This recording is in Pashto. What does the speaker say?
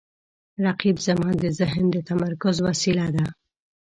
رقیب زما د ذهن د تمرکز وسیله ده